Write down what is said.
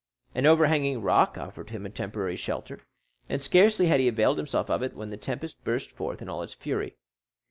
An overhanging rock offered him a temporary shelter, and scarcely had he availed himself of it when the tempest burst forth in all its fury.